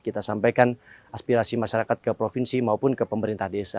kita sampaikan aspirasi masyarakat ke provinsi maupun ke pemerintah desa